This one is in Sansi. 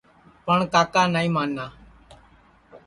پٹؔ کاکا نائی مانا